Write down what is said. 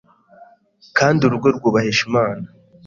kandi urugo rwubahisha Imana